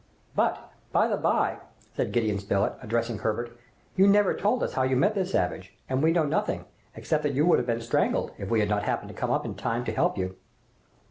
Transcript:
"But, by the bye," said Gideon Spilett, addressing Herbert, "you never told us how you met this savage, and we know nothing, except that you would have been strangled, if we had not happened to come up in time to help you!"